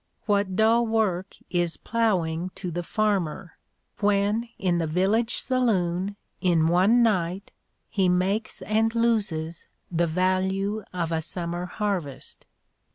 What dull work is ploughing to the farmer, when in the village saloon, in one night, he makes and loses the value of a summer harvest?